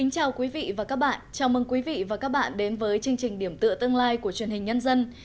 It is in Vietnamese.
chào mừng quý vị và các bạn đến với chương trình điểm tựa tương lai của truyền hình nhân dân